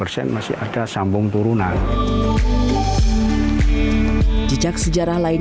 pemembuatan sumur tertua bernama sumur jobong beserta beberapa fragment tulang hewan